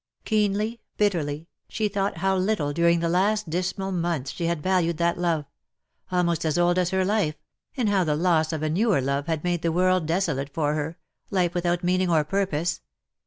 Keenly, bitterly, she thought how little duriDg the last dismal months she had valued that love — almost as old as her life — and how the loss of a newer love had made the world desolate for her, life without meaning or purpose.